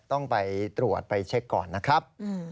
ต้องไปตรวจไปเช็คก่อนนะครับ